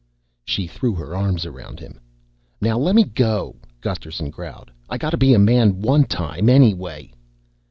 She threw her arms around him. "Now lemme go," Gusterson growled. "I gotta be a man one time anyway."